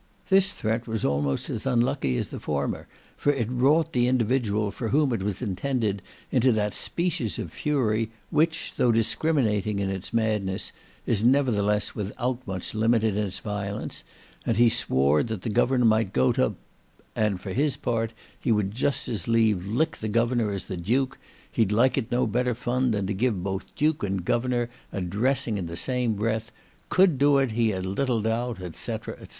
This threat was almost as unlucky as the former, for it wrought the individual for whom it was intended into that species of fury, which, through discriminating in its madness, is nevertheless without much limit in its violence, and he swore that the Governor might go to —, and for his part he would just as leave lick the Governor as the Duke; he'd like no better fun than to give both Duke and Governor a dressing in the same breath; could do it, he had little doubt, &c. &c.